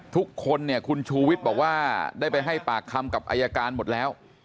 ทุกคนเนี่ยคุณชูวิทย์บอกว่าได้ไปให้ปากคำกับอายการหมดแล้ว